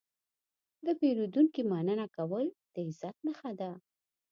د پیرودونکي مننه کول د عزت نښه ده.